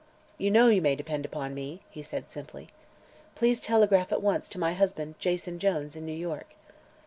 "You know you may depend upon me," he said simply. "Please telegraph at once to my husband Jason Jones, in New York."